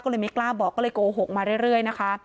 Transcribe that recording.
ก็เลยไม่กล้าบอกก็เลยโกหกมาเรื่อยนะคะ